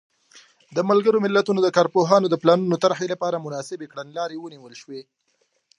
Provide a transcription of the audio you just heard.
د ملګرو ملتونو د کارپوهانو د پلانونو طرحې لپاره مناسبې کړنلارې ونیول شوې.